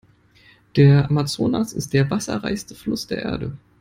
Der Amazonas ist der Wasserreichste Fluss der Erde.